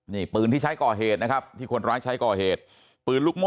นี่ปืนที่ใช้ก่อเหตุนะครับที่คนร้ายใช้ก่อเหตุปืนลูกโม่